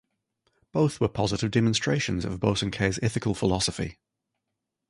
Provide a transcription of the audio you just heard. Both were positive demonstrations of Bosanquet's ethical philosophy.